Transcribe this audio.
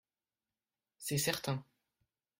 C’est certain